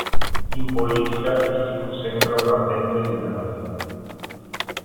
In politica, egli fu sempre un ardente Liberal.